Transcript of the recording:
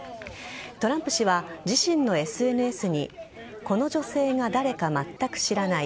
トランプ氏は、自身のＳＮＳにこの女性が誰かまったく知らない。